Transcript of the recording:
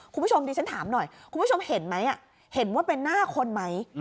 คุณผู้ชมดิฉันถามหน่อยคุณผู้ชมเห็นไหมเห็นว่าเป็นหน้าคนไหม